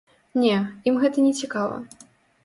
Не, ім гэта нецікава.